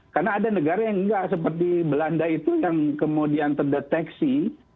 karena ada negara yang nggak seperti belanda itu yang kemudian terdeteksi